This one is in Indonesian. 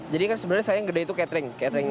jadi kan sebenarnya saya yang gede itu catering